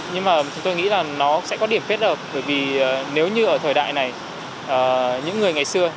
nhưng mà chúng tôi nghĩ là nó sẽ có điểm kết hợp bởi vì nếu như ở thời đại này những người ngày xưa